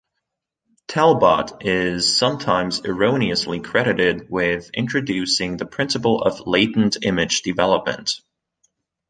Talbot is sometimes erroneously credited with introducing the principle of latent image development.